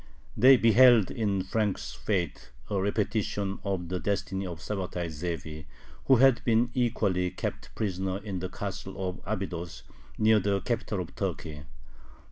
" They beheld in Frank's fate a repetition of the destiny of Sabbatai Zevi, who had been equally kept prisoner in the castle of Abydos, near the capital of Turkey.